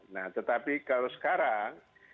nah tetapi kalau sekarang